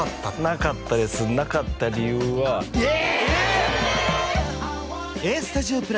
なかったですなかった理由はえ！